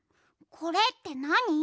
これってなに？